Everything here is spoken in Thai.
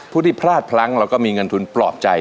ที่พลาดพลั้งแล้วก็มีเงินทุนปลอบใจ